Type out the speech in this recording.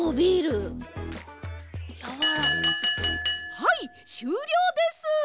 はいしゅうりょうです！